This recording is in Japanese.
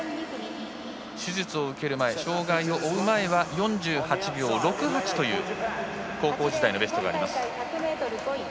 手術を受ける前障がいを負う前は４８秒６８という高校時代のベストがあります。